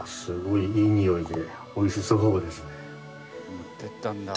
持っていったんだ。